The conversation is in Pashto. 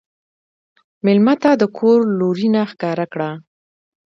مېلمه ته د کور لورینه ښکاره کړه.